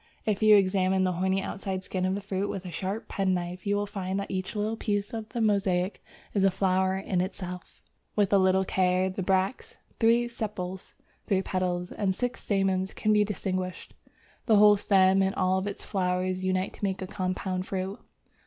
If you examine the horny outside skin of the fruit with a sharp penknife, you will find that each little piece of the mosaic is a flower in itself; with a little care the bracts, three sepals, three petals, and six stamens can be distinguished. The whole stem and all its flowers unite to make a compound fruit.